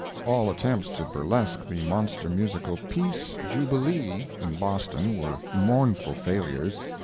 All attempts to burlesque the monster musical "Peace Jubilee" in Boston were mournful failures.